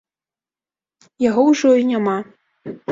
Яго ўжо і няма!